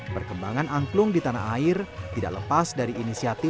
perkembangan angklung di tanah air tidak lepas dari inisiatif